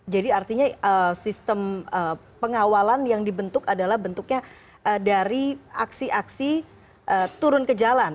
jadi artinya sistem pengawalan yang dibentuk adalah bentuknya dari aksi aksi turun ke jalan